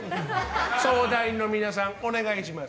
相談員の皆さん、お願いします。